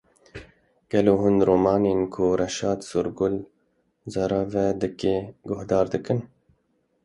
Gelo hûn romanên ku Reşad Sorgul zareve dike guhdar dikin?